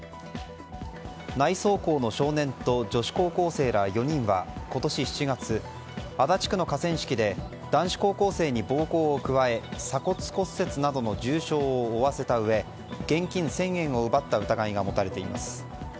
内装工の少年と女子高校生ら４人は今年７月、足立区の河川敷で男子高校生に暴行を加え鎖骨骨折などの重傷を負わせたうえ現金１０００円を奪った疑いが持たれています。